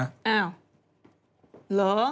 อ้าว